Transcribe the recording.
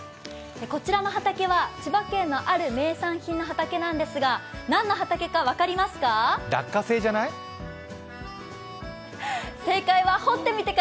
こちらの畑は千葉県のある名産品の畑なんですが、何の畑か分かりますか？